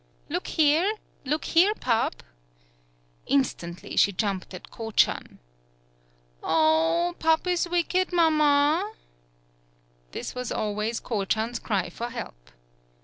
"Look here! Look here, Pup!" Instantly she jumped at Ko chan. 123 PAULOWNIA "Oh, Pup is wicked, mamma!" This was always Ko chan's cry for help.